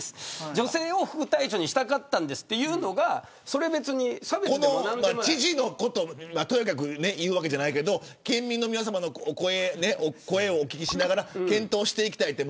女性を副隊長にしたかったんですというのがそれは別に差別でも何でもない。知事のことをとやかく言うわけじゃないけど県民の皆さまの声をお聞きしながら検討していきたいと。